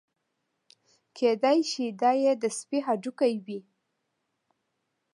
کېدای شي دا یې د سپي هډوکي وي.